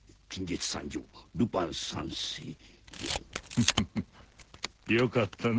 フフフよかったな